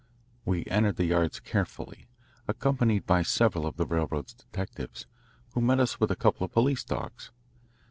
We entered the yards carefully, accompanied by several of the railroad's detectives, who met us with a couple of police dogs.